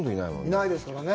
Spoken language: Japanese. いないですよね。